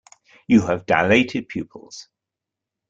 You have dilated pupils.